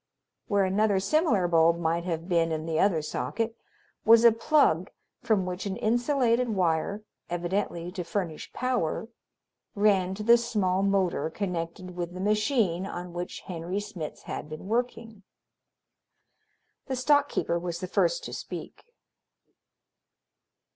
Where another similar bulb might have been in the other socket was a plug from which an insulated wire, evidently to furnish power, ran to the small motor connected with the machine on which Henry Smitz had been working. The stock keeper was the first to speak.